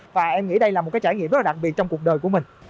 và em nghĩ đây là một trải nghiệm rất đặc biệt trong cuộc đời của mình